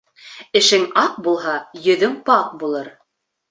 Эшең аҡ булһа, йөҙөң пак булыр.